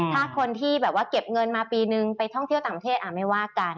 ถ้าคนที่แบบว่าเก็บเงินมาปีนึงไปท่องเที่ยวต่างประเทศไม่ว่ากัน